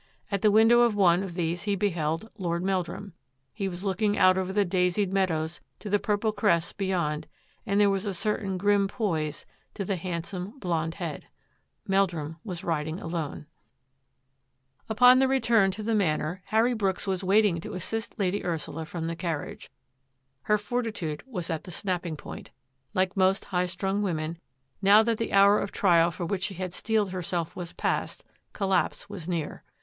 At the window of one of these he beheld Lord Meldrum. He was looking out over the daisied meadows to the purple crests beyond and there was a certain grim poise to the hand some, blond head. Meldrum was riding alone. RETURN OF ROBERT SYLVESTER 115 Upon the return to the Manor Harry Brooks was waiting to assist Lady Ursula from the car riage. Her fortitude was at the snapping point. Like most high strung women, now that the hour of trial for which she had steeled herself was past, collapse was near.